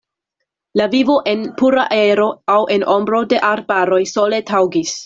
La vivo en pura aero aŭ en ombro de arbaroj sole taŭgis.